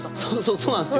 そうなんです。